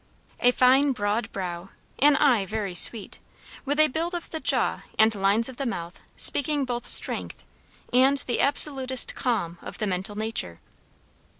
A fine broad brow; an eye very sweet; with a build of the jaw and lines of the mouth speaking both strength and the absolutest calm of the mental nature.